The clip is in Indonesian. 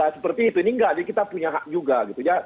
seperti itu ini enggak kita punya hak juga gitu ya